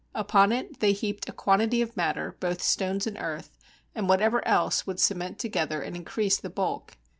Upon it they heaped a quantity of matter, both stones and earth, and whatever else would cement together and increase the bulk.